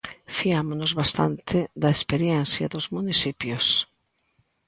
Fiámonos bastante da experiencia dos municipios.